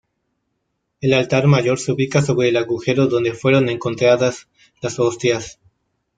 El altar mayor se ubica sobre el agujero donde fueron encontradas las hostias.